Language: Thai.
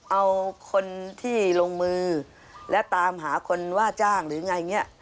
เอาคนที่ลงมือและตามหาคนว่าจ้างหรือไงเนี่ย